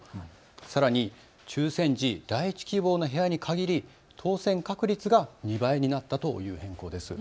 さらに抽せん時、第１希望の部屋に限り当せん確率が２倍になったということです。